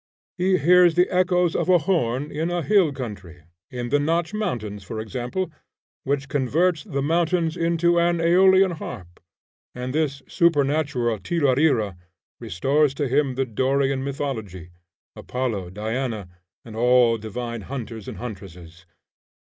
He hears the echoes of a horn in a hill country, in the Notch Mountains, for example, which converts the mountains into an Aeolian harp, and this supernatural tiralira restores to him the Dorian mythology, Apollo, Diana, and all divine hunters and huntresses.